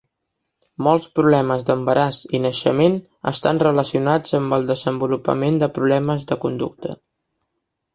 Molts problemes d'embaràs i naixement estan relacionats amb el desenvolupament de problemes de conducta.